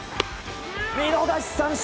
見逃し三振！